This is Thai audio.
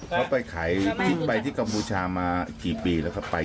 เขาไปขายคิดไปที่กัมพูชามากี่ปีแล้วครับไป